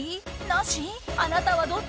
なし？